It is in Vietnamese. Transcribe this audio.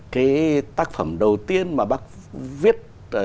cái tác phẩm đầu tiên mà bác viết